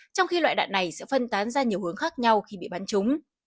trong khi loại đạn này sẽ phân tán ra nhiều hướng khác nhau khi bị bắn trúng